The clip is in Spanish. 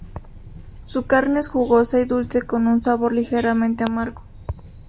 Su carne es jugosa y dulce con un sabor ligeramente amargo.